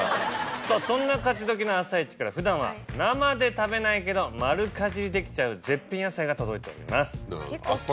そんな勝どきの朝市から普段は生で食べないけど丸かじりできちゃう絶品野菜が届いております。